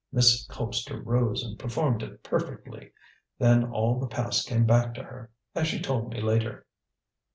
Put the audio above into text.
Miss Colpster rose and performed it perfectly. Then all the past came back to her, as she told me later."